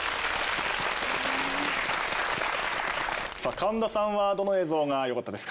神田さんはどの映像がよかったですか？